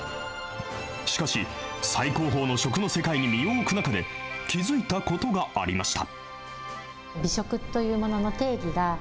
しかし、最高峰の食の世界に身を置く中で、気付いたことがありました。